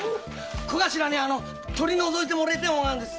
小頭に取り除いてもらいたいもんがあるんです。